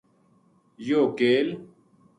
یوہ کیل